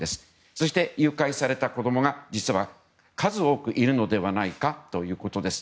そして、誘拐された子供が数多くいるのではないかということです。